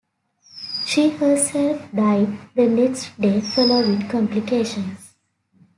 She herself died the next day following complications.